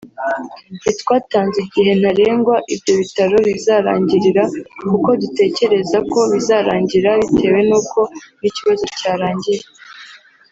ntitwatanze igihe ntarengwa ibyo bitero bizarangirira kuko dutekereza ko bizarangira bitewe nuko n’ikibazo cyarangiye